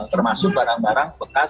termasuk barang barang bekas